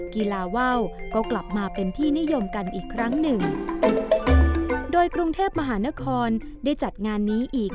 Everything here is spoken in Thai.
กีฬาว่าวก็กลับมาเป็นที่นิยมกันอีกครั้งหนึ่งโดยกรุงเทพมหานครได้จัดงานนี้อีก